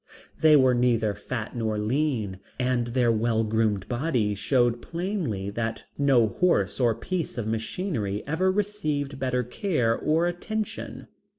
They were neither fat nor lean and their well groomed bodies showed plainly that no horse or piece of machinery ever received better care or attention.